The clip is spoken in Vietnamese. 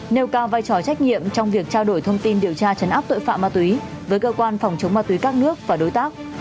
nêu cao vai trò trách nhiệm trong việc trao đổi thông tin điều tra chấn áp tội phạm ma túy với cơ quan phòng chống ma túy các nước và đối tác